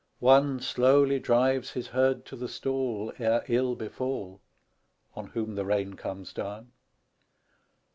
One slowly drives his herd to the stall Ere ill befall, On whom the rain comes down.